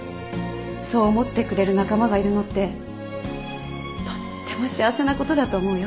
そう思ってくれる仲間がいるのってとっても幸せなことだと思うよ。